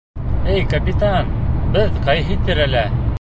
— Эй, капитан, беҙ ҡайһы тирәлә?